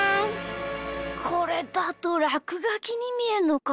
これだとらくがきにみえるのか。